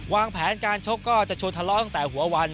วางแผนการชกก็จะชวนทะเลาะตั้งแต่หัววัน